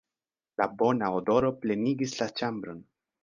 La bona odoro plenigis la ĉambron.